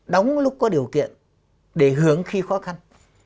đóng lúc có điều kiện để hướng khi khó khăn